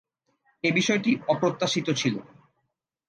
এ বিষয়টি অপ্রত্যাশিত ছিল।